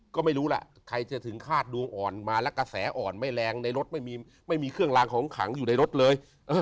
ก็ไม่รู้ล่ะใครจะถึงคาดดวงอ่อนมาแล้วกระแสอ่อนไม่แรงในรถไม่มีเครื่องลางของขังอยู่ในรถเลย